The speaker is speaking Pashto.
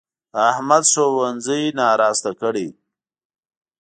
احمد ښوونځی ناراسته کړی.